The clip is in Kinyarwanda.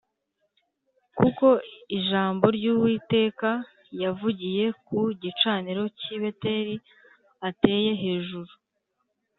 kuko ijambo ry’Uwiteka yavugiye ku gicaniro cy’i Beteli ateye hejuru